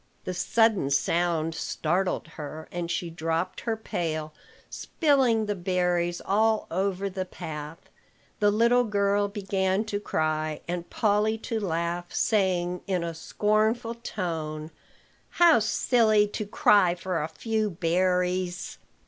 The sudden sound startled her; and she dropped her pail, spilling the berries all over the path. The little girl began to cry, and Polly to laugh, saying, in a scornful tone: "How silly to cry for a few berries!"